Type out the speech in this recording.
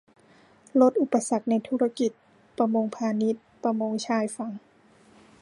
ลดอุปสรรคในธุรกิจ ประมงพาณิชย์ ประมงชายฝั่ง